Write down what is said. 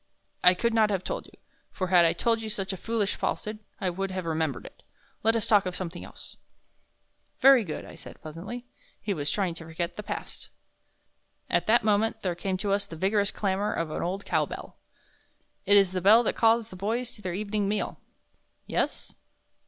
"I could not have told you, for had I told you such a foolish falsehood I would have remembered it. Let us talk of something else." "Very good," I said, pleasantly. He was trying to forget the past. At that moment there came to us the vigorous clamor of an old cow bell. "It is the bell that calls the boys to their evening meal." "Yes?"